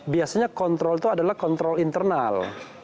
biasanya kontrol itu adalah kontrol internal